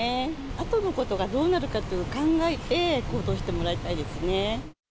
あとのことがどうなるかというのを考えて行動してもらいたいです